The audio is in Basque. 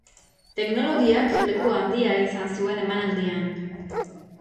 Teknologiak leku handia izan zuen emanaldian.